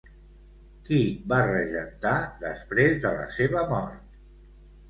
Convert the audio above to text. Qui va regentar després de la seva mort?